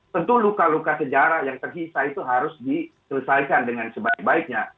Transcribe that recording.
tentu luka luka sejarah yang tersisa itu harus diselesaikan dengan sebaik baiknya